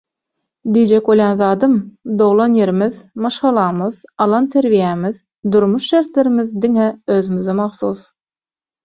Diýjek bolýan zadym, doglan ýerimiz, maşgalamyz, alan terbiýämiz, durmuş şertlerimiz diňe özümize mahsus.